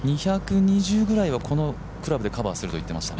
２２０ぐらいはこのクラブでカバーすると言っていました。